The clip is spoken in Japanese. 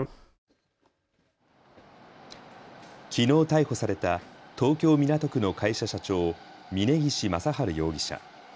きのう逮捕された東京港区の会社社長、峯岸正治容疑者。